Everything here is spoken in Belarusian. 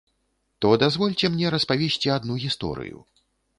То дазвольце мне распавесці адну гісторыю.